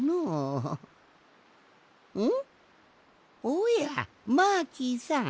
おやマーキーさん。